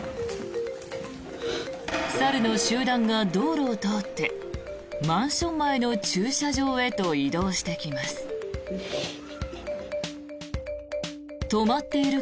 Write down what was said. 猿の集団が道路を通ってマンション前の駐車場へと移動してきます。